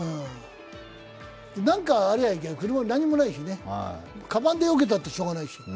なんかありゃいいけど、車は何もないしね、カバンでよけたってしょうがないし。